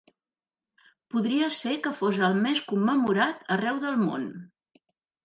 Podria ser que fos el més commemorat arreu del món.